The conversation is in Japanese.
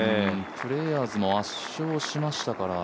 プレーヤーズも圧勝しましたから。